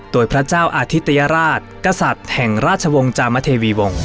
โดยพระเจ้าอาธิตยราชกษัตริย์แห่งราชวงศ์จามเทวีวงศ